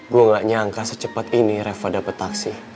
gue gak nyangka secepat ini reva dapat taksi